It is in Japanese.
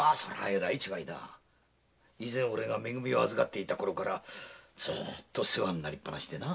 俺がめ組を預かっていたころからずっと世話になりっぱなしでな。